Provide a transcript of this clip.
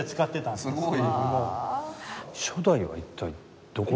すごーい！